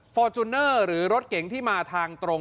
ฟอร์จูเนอร์หรือรถเก๋งที่มาทางตรง